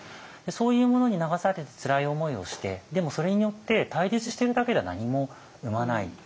そういうものに流されてつらい思いをしてでもそれによって対立してるだけでは何も生まない。